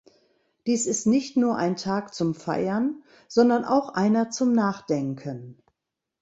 Dies ist nicht nur ein Tag zum Feiern, sondern auch einer zum Nachdenken.